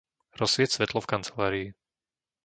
Rozsvieť svetlo v kancelárii.